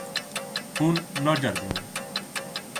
Hûn naceribînin.